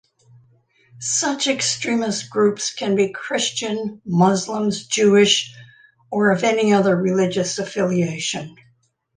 Such extremist groups can be Christian, Muslims, Jewish, or of any other religious affiliation.